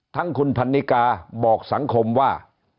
ทั้งคุณพันนิกาบอกสังคมว่า